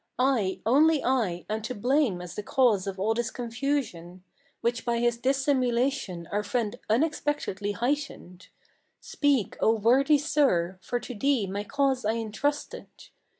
I, only I, am to blame as the cause of all this confusion, Which by his dissimulation our friend unexpectedly heightened. Speak, O worthy sir; for to thee my cause I intrusted.